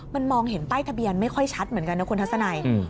มันมองเห็นป้ายทะเบียนไม่ค่อยชัดเหมือนกันนะคุณทัศนัย